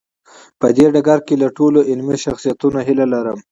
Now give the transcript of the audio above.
په دې ډګر کې له ټولو علمي شخصیتونو هیله لرم.